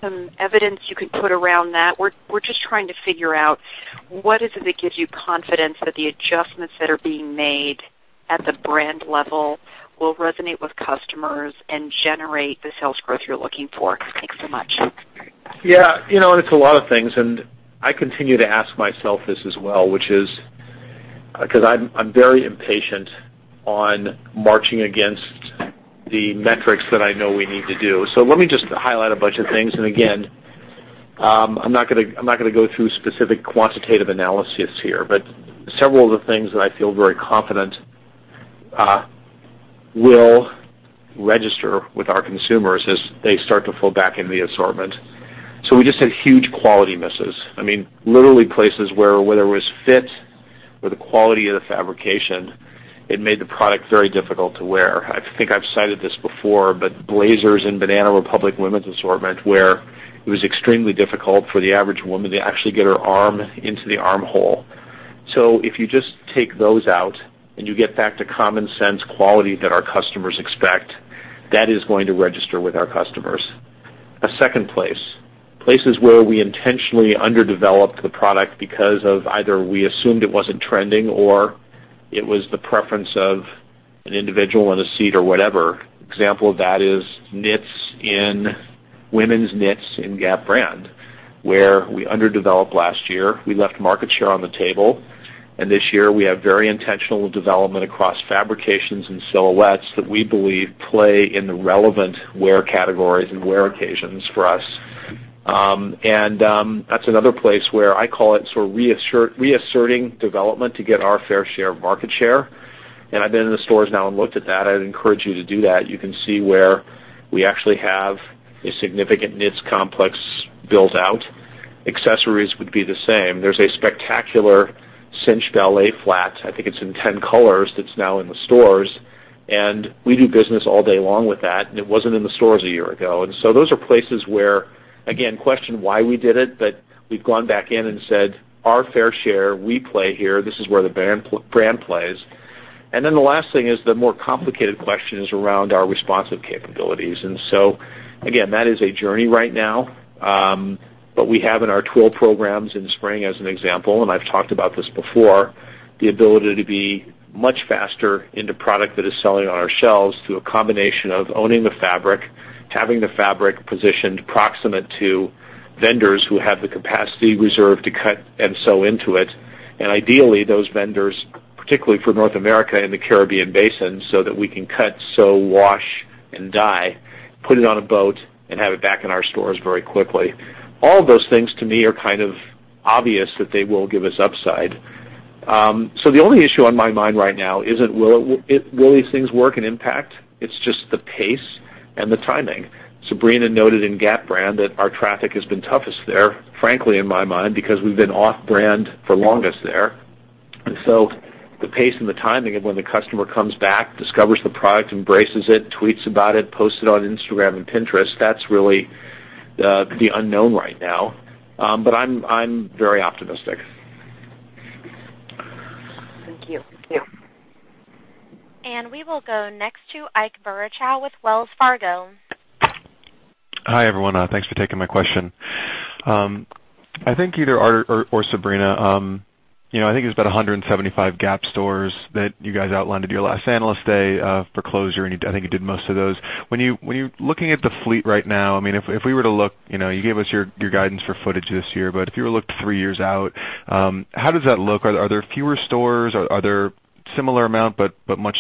Speaker 11: some evidence you could put around that? We're just trying to figure out what is it that gives you confidence that the adjustments that are being made at the brand level will resonate with customers and generate the sales growth you're looking for? Thanks so much.
Speaker 2: Yeah. It's a lot of things, and I continue to ask myself this as well, because I'm very impatient on marching against the metrics that I know we need to do. Let me just highlight a bunch of things. Again, I'm not going to go through specific quantitative analysis here, but several of the things that I feel very confident will register with our consumers as they start to fold back into the assortment. We just had huge quality misses. Literally places where, whether it was fit or the quality of the fabrication, it made the product very difficult to wear. I think I've cited this before, but blazers in Banana Republic women's assortment, where it was extremely difficult for the average woman to actually get her arm into the armhole. If you just take those out and you get back to common sense quality that our customers expect, that is going to register with our customers. A second place. Places where we intentionally underdeveloped the product because of either we assumed it wasn't trending or it was the preference of an individual in a seat or whatever. Example of that is women's knits in Gap brand, where we underdeveloped last year. We left market share on the table, this year, we have very intentional development across fabrications and silhouettes that we believe play in the relevant wear categories and wear occasions for us. That's another place where I call it reasserting development to get our fair share of market share. I've been in the stores now and looked at that. I'd encourage you to do that. You can see where we actually have a significant knits complex built out. Accessories would be the same. There's a spectacular cinch ballet flat, I think it's in 10 colors, that's now in the stores, we do business all day long with that, it wasn't in the stores a year ago. Those are places where, again, question why we did it, we've gone back in and said, "Our fair share. We play here. This is where the brand plays." The last thing is the more complicated question is around our responsive capabilities. Again, that is a journey right now. We have in our twill programs in spring as an example, I've talked about this before, the ability to be much faster in the product that is selling on our shelves through a combination of owning the fabric, having the fabric positioned proximate to vendors who have the capacity reserved to cut and sew into it. Ideally, those vendors, particularly for North America and the Caribbean Basin, so that we can cut, sew, wash, and dye, put it on a boat, have it back in our stores very quickly. All of those things to me are kind of obvious that they will give us upside. The only issue on my mind right now isn't will these things work and impact? It's just the pace and the timing. Sabrina noted in Gap brand that our traffic has been toughest there, frankly, in my mind, because we've been off-brand for longest there. The pace and the timing of when the customer comes back, discovers the product, embraces it, tweets about it, posts it on Instagram and Pinterest, that's really the unknown right now. I'm very optimistic.
Speaker 11: Thank you.
Speaker 4: We will go next to Ike Boruchow with Wells Fargo.
Speaker 12: Hi, everyone. Thanks for taking my question. I think either Art or Sabrina, I think there's about 175 Gap stores that you guys outlined at your last Analyst Day for closure, and I think you did most of those. When you're looking at the fleet right now, you gave us your guidance for footage this year, but if you were to look three years out, how does that look? Are there fewer stores? Are there similar amount but much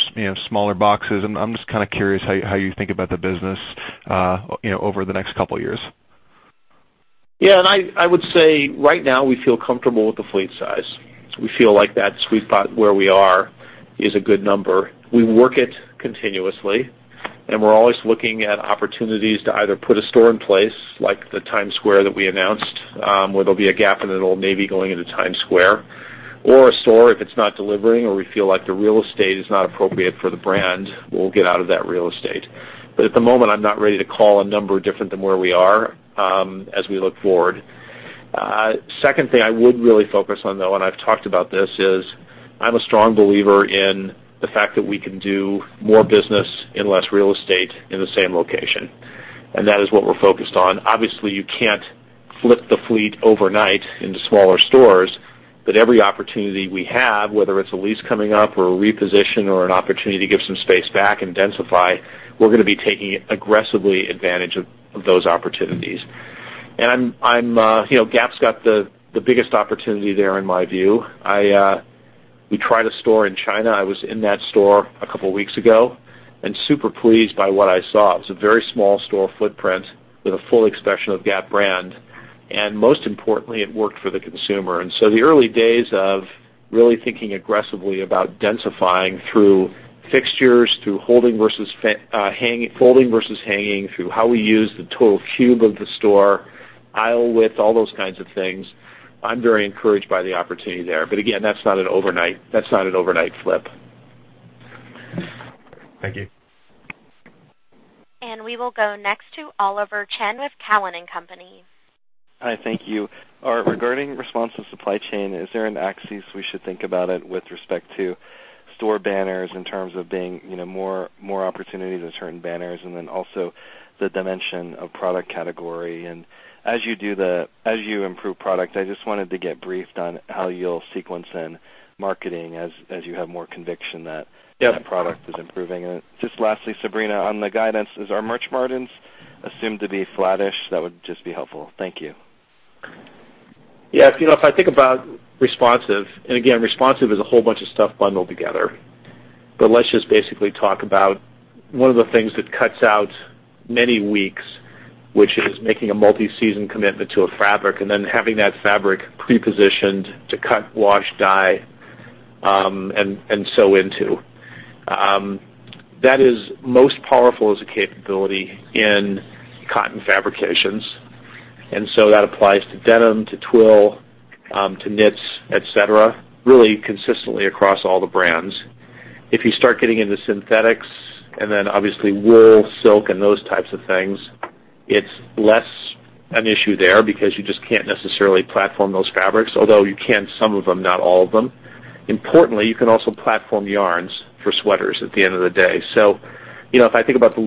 Speaker 12: smaller boxes? I'm just kind of curious how you think about the business over the next couple of years.
Speaker 2: I would say right now we feel comfortable with the fleet size. We feel like that sweet spot where we are is a good number. We work it continuously, and we're always looking at opportunities to either put a store in place, like the Times Square that we announced, where there'll be a Gap and an Old Navy going into Times Square. A store, if it's not delivering or we feel like the real estate is not appropriate for the brand, we'll get out of that real estate. At the moment, I'm not ready to call a number different than where we are as we look forward. Second thing I would really focus on, though, I've talked about this, is I'm a strong believer in the fact that we can do more business in less real estate in the same location, that is what we're focused on. Obviously, you can't flip the fleet overnight into smaller stores, every opportunity we have, whether it's a lease coming up or a reposition or an opportunity to give some space back and densify, we're going to be taking aggressively advantage of those opportunities. Gap's got the biggest opportunity there, in my view. We tried a store in China. I was in that store a couple of weeks ago and super pleased by what I saw. It was a very small store footprint with a full expression of Gap brand. Most importantly, it worked for the consumer. The early days of really thinking aggressively about densifying through fixtures, through folding versus hanging, through how we use the total cube of the store, aisle width, all those kinds of things. I'm very encouraged by the opportunity there. Again, that's not an overnight flip.
Speaker 12: Thank you.
Speaker 4: We will go next to Oliver Chen with Cowen and Company.
Speaker 13: Hi, thank you. Art, regarding responsive supply chain, is there an axis we should think about it with respect to store banners in terms of there being more opportunities in certain banners, as you improve product, I just wanted to get briefed on how you'll sequence in marketing as you have more conviction.
Speaker 2: Yep
Speaker 13: That product is improving. Just lastly, Sabrina, on the guidance. Are merch margins assumed to be flattish? That would just be helpful. Thank you.
Speaker 2: Yeah. If I think about responsive, and again, responsive is a whole bunch of stuff bundled together. Let's just basically talk about one of the things that cuts out many weeks, which is making a multi-season commitment to a fabric, and then having that fabric pre-positioned to cut, wash, dye, and sew into. That is most powerful as a capability in cotton fabrications, that applies to denim, to twill, to knits, et cetera. Really consistently across all the brands. If you start getting into synthetics, and then obviously wool, silk, and those types of things, it's less an issue there because you just can't necessarily platform those fabrics. Although you can some of them, not all of them. Importantly, you can also platform yarns for sweaters at the end of the day. If I think about the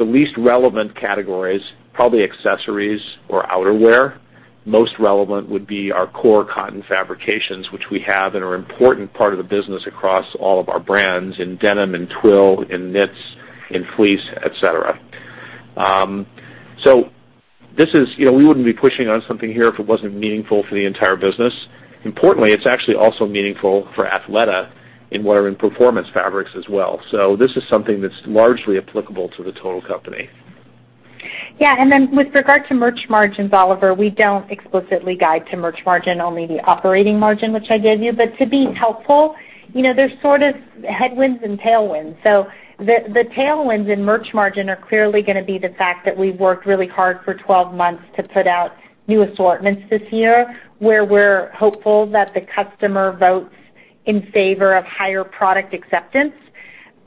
Speaker 2: least relevant categories, probably accessories or outerwear. Most relevant would be our core cotton fabrications, which we have and are an important part of the business across all of our brands in denim, in twill, in knits, in fleece, et cetera. We wouldn't be pushing on something here if it wasn't meaningful for the entire business. Importantly, it's actually also meaningful for Athleta in wear and performance fabrics as well. This is something that's largely applicable to the total company.
Speaker 3: Yeah. With regard to merch margins, Oliver, we don't explicitly guide to merch margin, only the operating margin, which I gave you. To be helpful, there's sort of headwinds and tailwinds. The tailwinds in merch margin are clearly going to be the fact that we've worked really hard for 12 months to put out new assortments this year, where we're hopeful that the customer votes in favor of higher product acceptance.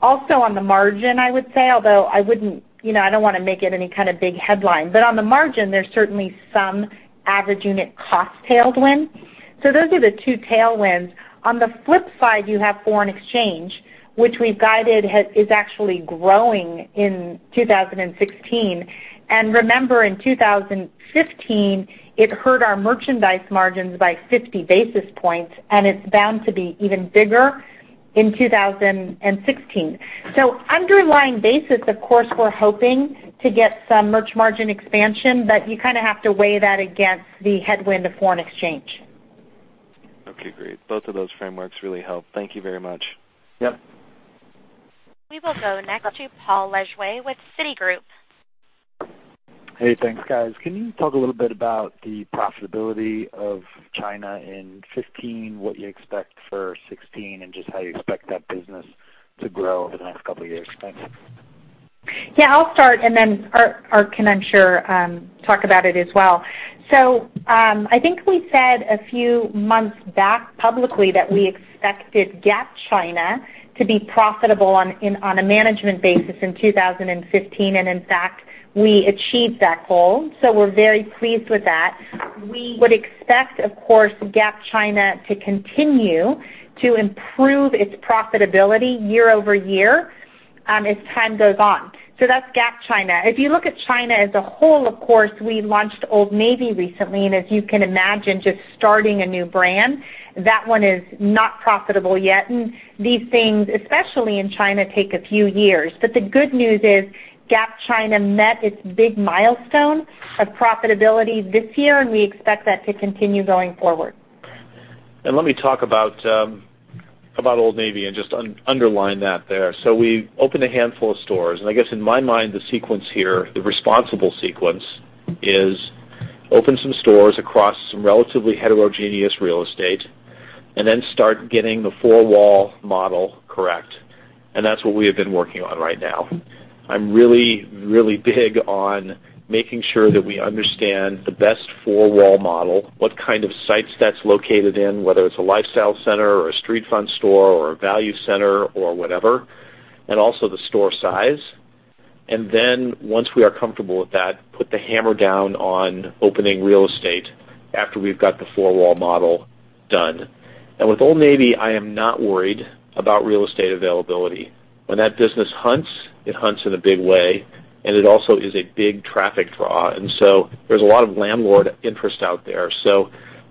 Speaker 3: Also on the margin, I would say, although I don't want to make it any kind of big headline, but on the margin, there's certainly some average unit cost tailwind. Those are the two tailwinds. On the flip side, you have foreign exchange, which we've guided is actually growing in 2016. Remember, in 2015, it hurt our merchandise margins by 50 basis points, and it's bound to be even bigger in 2016. Underlying basis, of course, we're hoping to get some merch margin expansion, but you kind of have to weigh that against the headwind of foreign exchange.
Speaker 13: Okay, great. Both of those frameworks really help. Thank you very much.
Speaker 2: Yep.
Speaker 4: We will go next to Paul Lejuez with Citigroup.
Speaker 14: Hey, thanks guys. Can you talk a little bit about the profitability of China in 2015, what you expect for 2016, and just how you expect that business to grow over the next couple of years? Thanks.
Speaker 3: Yeah, I'll start and then Art can, I'm sure, talk about it as well. I think we said a few months back publicly that we expected Gap China to be profitable on a management basis in 2015. In fact, we achieved that goal. We're very pleased with that. We would expect, of course, Gap China to continue to improve its profitability year-over-year as time goes on. That's Gap China. If you look at China as a whole, of course, we launched Old Navy recently, and as you can imagine, just starting a new brand, that one is not profitable yet. These things, especially in China, take a few years. The good news is Gap China met its big milestone of profitability this year, and we expect that to continue going forward.
Speaker 2: Let me talk about Old Navy and just underline that there. We opened a handful of stores, and I guess in my mind, the responsible sequence is open some stores across some relatively heterogeneous real estate and then start getting the four-wall model correct, and that's what we have been working on right now. I'm really big on making sure that we understand the best four-wall model, what kind of sites that's located in, whether it's a lifestyle center or a street front store or a value center or whatever, and also the store size. Once we are comfortable with that, put the hammer down on opening real estate after we've got the four-wall model done. With Old Navy, I am not worried about real estate availability. When that business hunts, it hunts in a big way, and it also is a big traffic draw. There's a lot of landlord interest out there.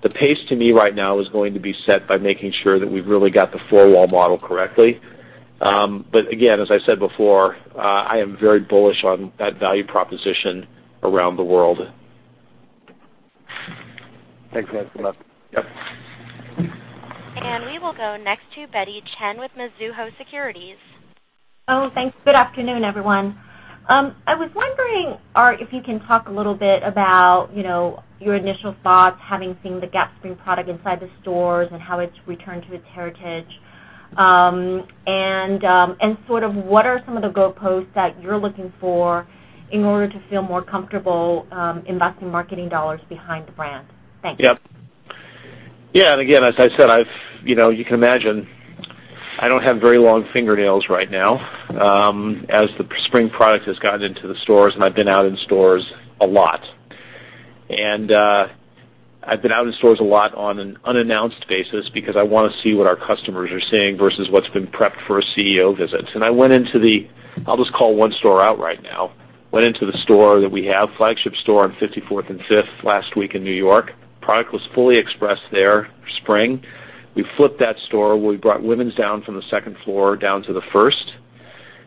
Speaker 2: The pace to me right now is going to be set by making sure that we've really got the four-wall model correctly. Again, as I said before, I am very bullish on that value proposition around the world.
Speaker 14: Thanks, Art. Good luck.
Speaker 2: Yep.
Speaker 4: We will go next to Betty Chen with Mizuho Securities.
Speaker 15: Thanks. Good afternoon, everyone. I was wondering, Art, if you can talk a little bit about your initial thoughts, having seen the Gap spring product inside the stores and how it's returned to its heritage. Sort of what are some of the goalposts that you're looking for in order to feel more comfortable investing marketing dollars behind the brand? Thanks.
Speaker 2: Yep. Yeah. Again, as I said, you can imagine, I don't have very long fingernails right now as the spring product has gotten into the stores, and I've been out in stores a lot. I've been out in stores a lot on an unannounced basis because I want to see what our customers are seeing versus what's been prepped for a CEO visit. I went into the I'll just call one store out right now. Went into the store that we have, flagship store on 54th and Fifth last week in New York. Product was fully expressed there for spring. We flipped that store. We brought women's down from the second floor down to the first.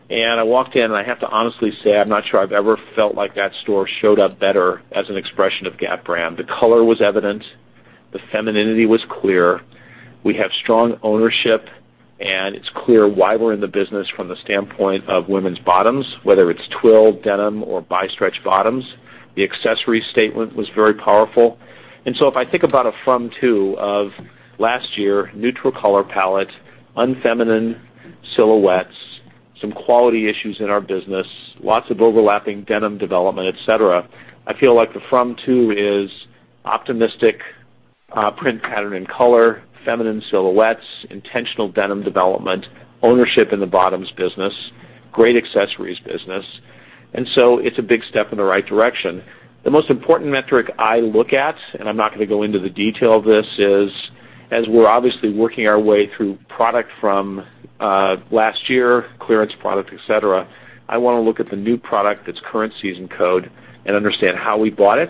Speaker 2: I walked in, and I have to honestly say, I'm not sure I've ever felt like that store showed up better as an expression of Gap brand. The color was evident. The femininity was clear. We have strong ownership, and it's clear why we're in the business from the standpoint of women's bottoms, whether it's twill, denim, or by stretch bottoms. The accessory statement was very powerful. If I think about a from to of last year, neutral color palette, unfeminine silhouettes, some quality issues in our business, lots of overlapping denim development, et cetera. I feel like the from to is optimistic print pattern and color, feminine silhouettes, intentional denim development, ownership in the bottoms business, great accessories business. It's a big step in the right direction. The most important metric I look at, I'm not going to go into the detail of this, is as we're obviously working our way through product from last year, clearance product, et cetera, I want to look at the new product that's current season code and understand how we bought it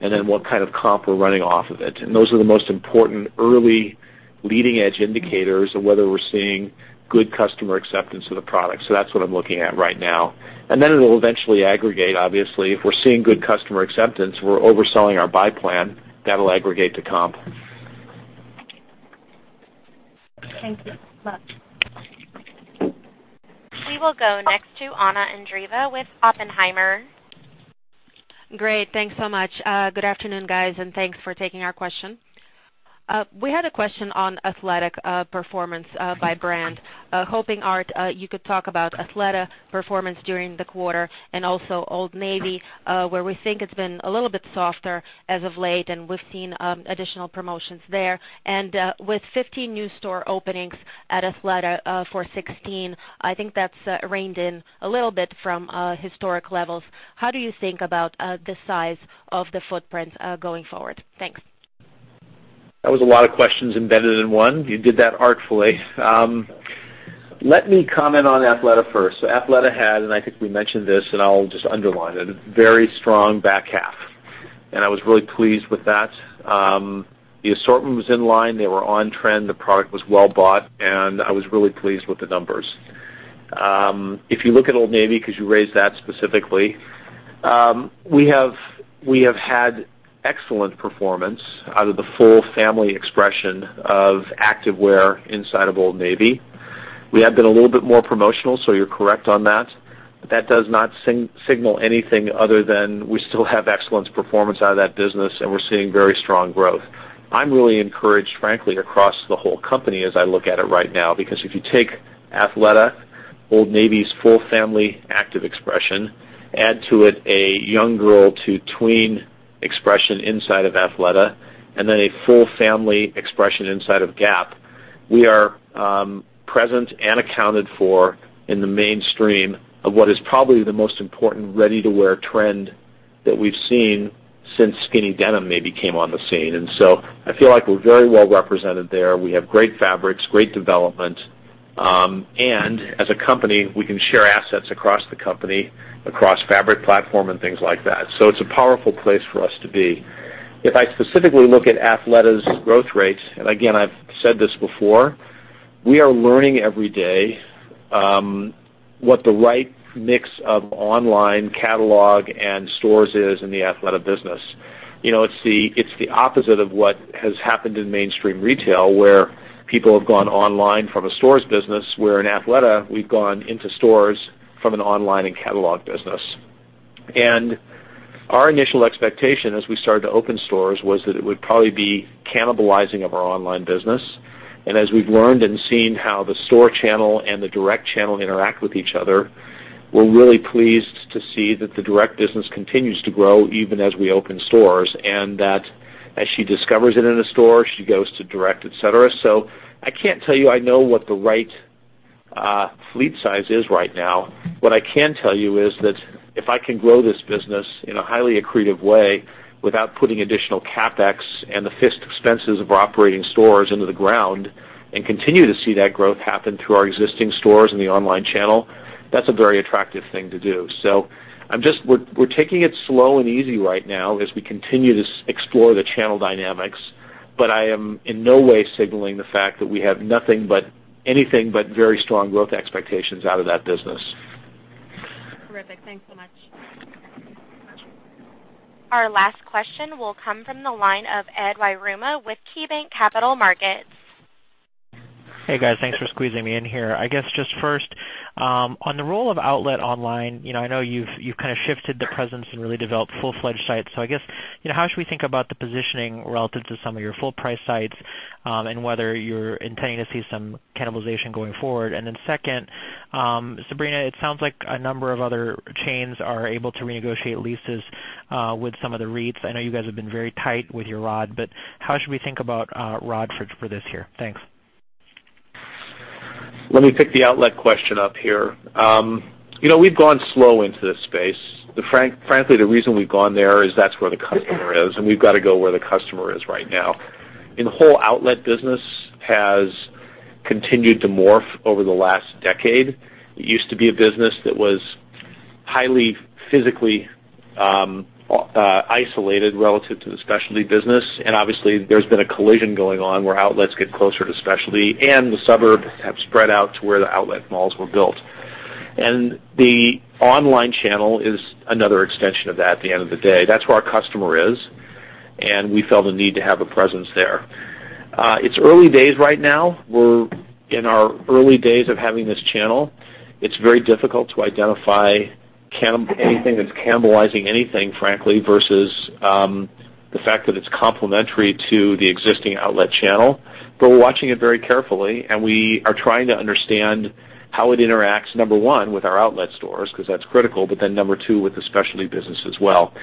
Speaker 2: and then what kind of comp we're running off of it. Those are the most important early leading edge indicators of whether we're seeing good customer acceptance of the product. That's what I'm looking at right now. It'll eventually aggregate, obviously. If we're seeing good customer acceptance, we're overselling our buy plan. That'll aggregate to comp.
Speaker 15: Thank you. Good luck.
Speaker 4: We will go next to Anna Andreeva with Oppenheimer.
Speaker 16: Great. Thanks so much. Good afternoon, guys, and thanks for taking our question. We had a question on athletic performance by brand. Hoping, Art, you could talk about Athleta performance during the quarter and also Old Navy, where we think it's been a little bit softer as of late, and we've seen additional promotions there. With 15 new store openings at Athleta for 2016, I think that's reined in a little bit from historic levels. How do you think about the size of the footprint going forward? Thanks.
Speaker 2: That was a lot of questions embedded in one. You did that artfully. Let me comment on Athleta first. Athleta had, and I think we mentioned this, and I'll just underline it, a very strong back half, and I was really pleased with that. The assortment was in line. They were on trend. The product was well bought, and I was really pleased with the numbers. If you look at Old Navy, because you raised that specifically, we have had excellent performance out of the full family expression of activewear inside of Old Navy. We have been a little bit more promotional, you're correct on that. That does not signal anything other than we still have excellent performance out of that business, and we're seeing very strong growth. I'm really encouraged, frankly, across the whole company as I look at it right now, because if you take Athleta, Old Navy's full family active expression, add to it a young girl to tween expression inside of Athleta, and then a full family expression inside of Gap. We are present and accounted for in the mainstream of what is probably the most important ready-to-wear trend that we've seen since skinny denim maybe came on the scene. I feel like we're very well represented there. We have great fabrics, great development, and as a company, we can share assets across the company, across fabric platform and things like that. It's a powerful place for us to be. If I specifically look at Athleta's growth rates, and again, I've said this before We are learning every day what the right mix of online catalog and stores is in the Athleta business. It's the opposite of what has happened in mainstream retail, where people have gone online from a stores business, where in Athleta, we've gone into stores from an online and catalog business. Our initial expectation as we started to open stores was that it would probably be cannibalizing of our online business. As we've learned and seen how the store channel and the direct channel interact with each other, we're really pleased to see that the direct business continues to grow even as we open stores, and that as she discovers it in a store, she goes to direct, et cetera. I can't tell you I know what the right fleet size is right now. What I can tell you is that if I can grow this business in a highly accretive way without putting additional CapEx and the fixed expenses of operating stores into the ground and continue to see that growth happen through our existing stores in the online channel, that's a very attractive thing to do. We're taking it slow and easy right now as we continue to explore the channel dynamics. I am in no way signaling the fact that we have anything but very strong growth expectations out of that business.
Speaker 16: Terrific. Thanks so much.
Speaker 4: Our last question will come from the line of Edward Yruma with KeyBanc Capital Markets.
Speaker 17: Hey, guys. Thanks for squeezing me in here. I guess just first, on the role of outlet online, I know you've kind of shifted the presence and really developed full-fledged sites. I guess, how should we think about the positioning relative to some of your full-price sites and whether you're intending to see some cannibalization going forward? Second, Sabrina, it sounds like a number of other chains are able to renegotiate leases with some of the REITs. I know you guys have been very tight with your ROD, but how should we think about ROD for this year? Thanks.
Speaker 2: Let me pick the outlet question up here. We've gone slow into this space. Frankly, the reason we've gone there is that's where the customer is, and we've got to go where the customer is right now. The whole outlet business has continued to morph over the last decade. It used to be a business that was highly physically isolated relative to the specialty business. Obviously, there's been a collision going on where outlets get closer to specialty and the suburbs have spread out to where the outlet malls were built. The online channel is another extension of that at the end of the day. That's where our customer is, and we felt a need to have a presence there. It's early days right now. We're in our early days of having this channel. It's very difficult to identify anything that's cannibalizing anything, frankly, versus the fact that it's complementary to the existing outlet channel. We're watching it very carefully, and we are trying to understand how it interacts, number one, with our outlet stores, because that's critical, number two, with the specialty business as well.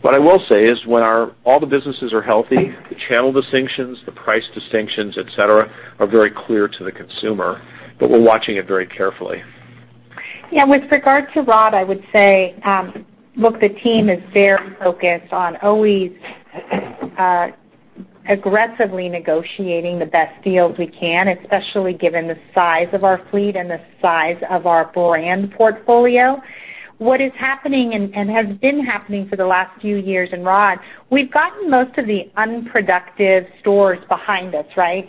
Speaker 2: What I will say is when all the businesses are healthy, the channel distinctions, the price distinctions, et cetera, are very clear to the consumer, but we're watching it very carefully.
Speaker 3: Yeah. With regard to ROD, I would say, look, the team is very focused on always aggressively negotiating the best deals we can, especially given the size of our fleet and the size of our brand portfolio. What is happening and has been happening for the last few years in ROD, we've gotten most of the unproductive stores behind us, right?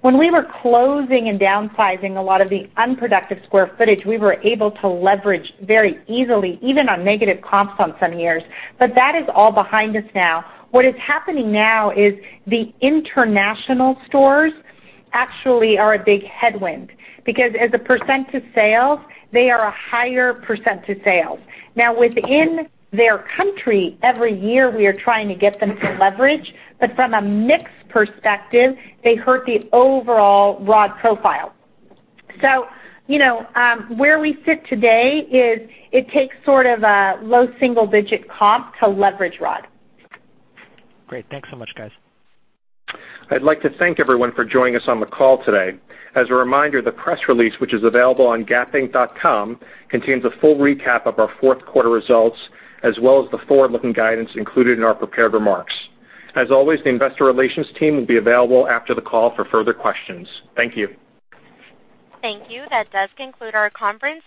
Speaker 3: When we were closing and downsizing a lot of the unproductive square footage, we were able to leverage very easily, even on negative comps on some years. That is all behind us now. What is happening now is the international stores actually are a big headwind because as a % of sales, they are a higher % of sales. Within their country, every year, we are trying to get them to leverage, but from a mix perspective, they hurt the overall ROD profile. Where we sit today is it takes sort of a low single-digit comp to leverage ROD.
Speaker 17: Great. Thanks so much, guys.
Speaker 2: I'd like to thank everyone for joining us on the call today. As a reminder, the press release, which is available on gapinc.com, contains a full recap of our fourth quarter results, as well as the forward-looking guidance included in our prepared remarks. As always, the investor relations team will be available after the call for further questions. Thank you.
Speaker 4: Thank you. That does conclude our conference.